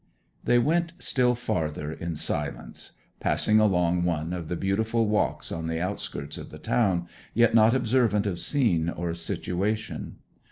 They went still farther in silence passing along one of the beautiful walks on the outskirts of the town, yet not observant of scene or situation.